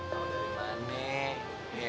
kamu dari mana nih